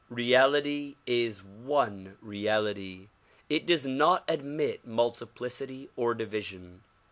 Reality is one reality; it does not admit multi plicity or division.